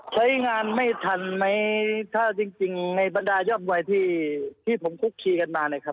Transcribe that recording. ใช้งานไม่ทันไหมถ้าจริงในบรรดายอบมวยที่ผมคุกคีกันมา